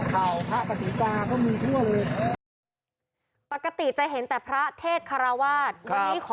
พระกษีกาก็มีทั่วเลยปกติจะเห็นแต่พระเทศคาราวาสวันนี้ขอ